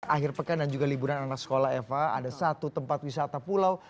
akhir pekan dan juga liburan anak sekolah eva ada satu tempat wisata pulau